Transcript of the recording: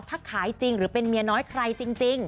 ถ้าขายจริงหรือเป็นเมียน้อยใครจริง